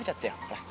ほら。